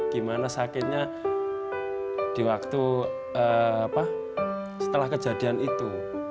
gimana sakitnya di waktu setelah kejadian itu